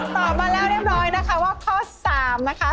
ตอบมาแล้วเรียบร้อยนะคะว่าข้อ๓นะคะ